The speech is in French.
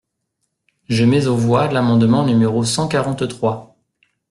Je mets aux voix l’amendement numéro cent quarante-trois.